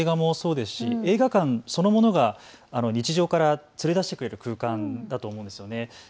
映画館そのものが日常から連れ出してくれる空間だと思うんですよね。